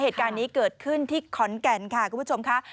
เหตุการณ์นี้เกิดขึ้นที่ขอนแก่นค่ะคุณผู้ชมค่ะ